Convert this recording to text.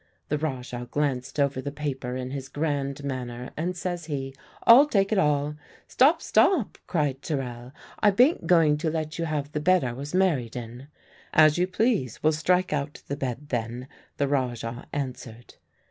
The Rajah glanced over the paper in his grand manner, and says he, "I'll take it all." "Stop! stop!" cried Terrell, "I bain't going to let you have the bed I was married in!" "As you please; we'll strike out the bed, then," the Rajah answered.